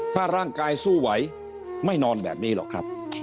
ถ้าร่างกายสู้ไหวไม่นอนแบบนี้หรอกครับ